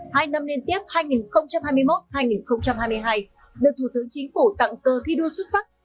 hai năm liên tiếp hai nghìn hai mươi một hai nghìn hai mươi hai được thủ tướng chính phủ tặng cơ thi đua xuất sắc